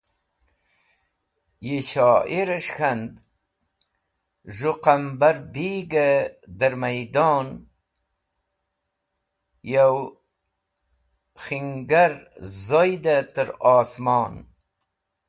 Yi shoyirẽs̃h k̃hand, Z̃hũ qũmbar bigẽ dẽr mẽydon, Yo khingar zoydẽ tẽr osmon”.